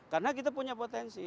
karena kita punya potensi